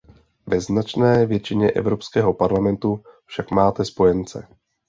Ve značné většině Evropského parlamentu však máte spojence.